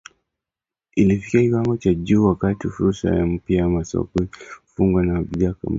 ilifikia kiwango cha juu wakati fursa mpya za masoko zilipofunguka kwa bidhaa za Kampala